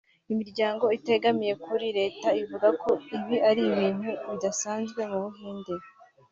Imiryango itegamiye kuri leta ivuga ko ibi ari ibintu bidasanzwe mu Buhinde